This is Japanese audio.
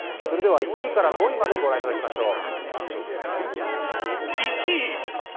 １位から５位までご覧いただきましょう。